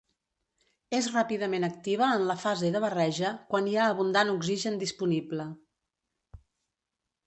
És ràpidament activa en la fase de barreja quan hi ha abundant oxigen disponible.